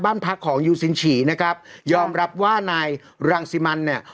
บ้านพักของยูซินฉีนะครับยอมรับว่านายรังสิมันเนี่ย